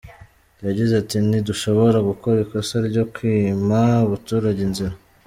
Yagize ati“Ntidushobora gukora ikosa ryo kwima abaturage inzira.